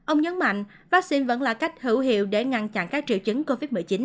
ông nhấn mạnh vaccine vẫn là cách hữu hiệu để ngăn chặn các triệu chứng covid một mươi chín